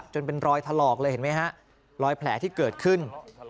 จนเป็นรอยถลอกเลยเห็นไหมฮะรอยแผลที่เกิดขึ้น